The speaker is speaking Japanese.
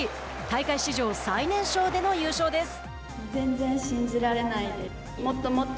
大会史上最年少での優勝です。